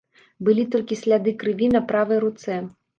Былі толькі сляды крыві на правай руцэ.